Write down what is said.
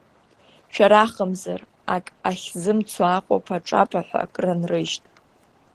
Шәарахымзар ак ахьзымцоз аҟәаԥа-ҿаԥақәа крынрыжьт.